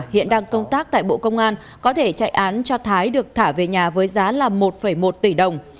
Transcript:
hiện đang công tác tại bộ công an có thể chạy án cho thái được thả về nhà với giá là một một tỷ đồng